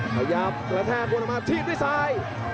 ขยับกระแทกกวนมาทีฟด้วยซ้าย